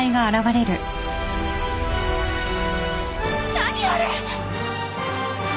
何あれ。